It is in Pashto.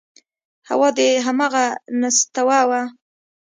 هو دا همغه نستوه و…